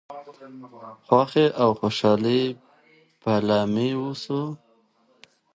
د خوښۍ او خوشحالی پيلامه اوسي .